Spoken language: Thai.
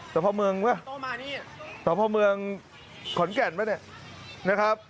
สาวพ่อเมืองไหมสาวพ่อเมืองขนแก่นไหมเนี่ยนะครับ